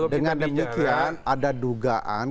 dengan demikian ada dugaan